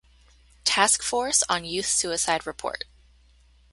Task Force on Youth Suicide report.